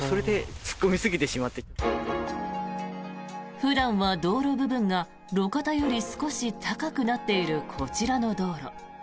普段は道路部分が路肩より少し高くなっているこちらの道路。